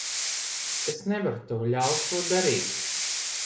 Es nevaru tev ļaut to darīt.